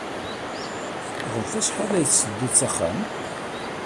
Ɣef wacḥal ay tettedduḍ s axxam?